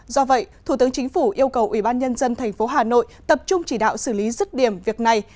do vậy thủ tướng chính phủ yêu cầu ubnd tp hà nội tập trung chỉ đạo xử lý rứt điểm việc này